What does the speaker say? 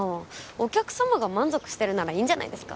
お客様が満足してるならいいんじゃないですか？